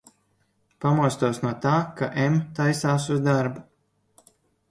Pamostos no tā, ka M taisās uz darbu.